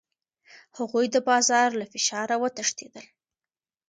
هغوی د بازار له فشاره وتښتېدل.